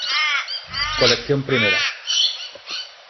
Colección Primera.